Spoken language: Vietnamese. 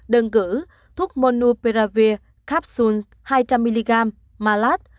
đơn cử thuốc monopiravir capsule hai trăm linh mg malad